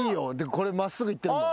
これ真っすぐいってるもん。